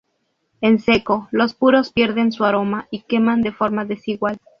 En seco, los puros pierden su aroma y queman de forma desigual.